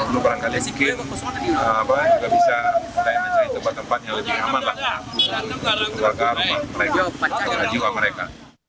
dan lebih berharga rumah mereka